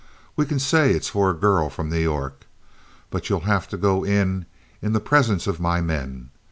We can say it's for a girl from New York. But you'll have to go in in the presence of my men.